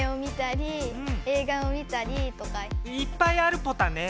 いっぱいあるポタね。